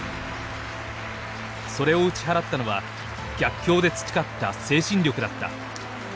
それを打ち払ったのは逆境で培った精神力だった。